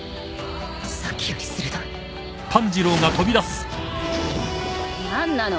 さっきより鋭い何なの？